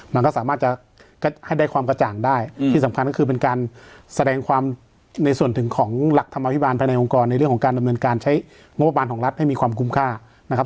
มันก็สามารถจะให้ได้ความกระจ่างได้ที่สำคัญก็คือเป็นการแสดงความในส่วนถึงของหลักธรรมอภิบาลภายในองค์กรในเรื่องของการดำเนินการใช้งบประมาณของรัฐให้มีความคุ้มค่านะครับ